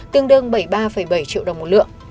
tương đương bảy mươi ba bảy triệu đồng một lượng